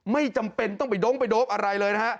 ไม่จำเป็นต้องไปโด้งไปโดปอะไรเลยนะฮะ